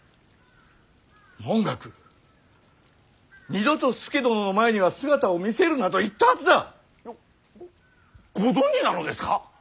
文覚二度と佐殿の前には姿を見せるなと言ったはずだ！ごご存じなのですか！？